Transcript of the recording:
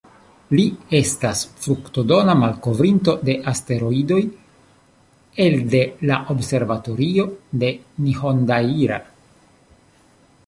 Li estas fruktodona malkovrinto de asteroidoj elde la observatorio de Nihondaira.